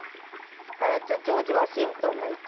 ジョージ・ワシントンが１。